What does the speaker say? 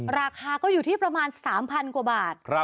ราคาก็อยู่ที่ประมาณ๓๐๐กว่าบาท